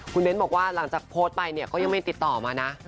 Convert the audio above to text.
คุณเบ้นบอกว่าหลังจากโพสต์ไปเนี่ยก็ยังไม่ติดต่อมานะ